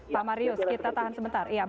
pak marius kita tahan sebentar